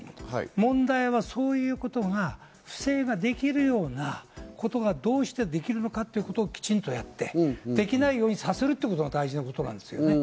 問題はそういうことが不正ができるようなことがどうしてできるのかということをきちんとやって、できないようにさせることが大事なこと。